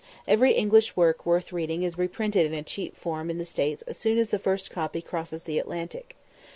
Every English work worth reading is reprinted in a cheap form in the States as soon as the first copy crosses the Atlantic.